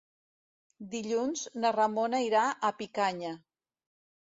Dilluns na Ramona irà a Picanya.